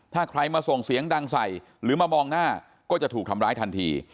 ถ้าใครมาส่งเสียงดังใส่หรือมามองหน้าก็จะถูกทำร้ายทันที